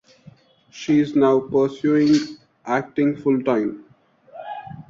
She is now pursuing acting full-time.